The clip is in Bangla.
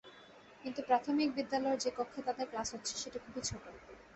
কিন্তু প্রাথমিক বিদ্যালয়ের যে কক্ষে তাদের ক্লাস হচ্ছে, সেটি খুবই ছোট।